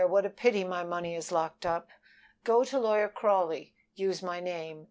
what a pity my money is locked up! Go to Lawyer Crawley. Use my name.